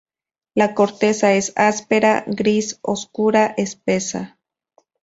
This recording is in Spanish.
La corteza es áspera, gris, oscura, espesa.